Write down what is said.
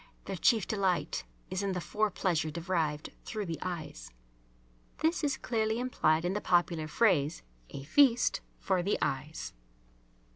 Their chief delight is in the fore pleasure derived through the eyes. (This is clearly implied in the popular phrase "a feast for the eyes.")